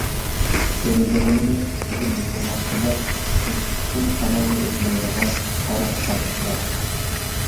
كۆرىدىغىنىمىز قىزىل يوپۇرماق ئەمەس، زىچلىقىدىن شامالمۇ ئۆتمەيدىغان قارا چاچلار.